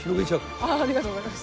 ありがとうございます。